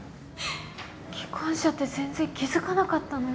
既婚者って全然気付かなかったの？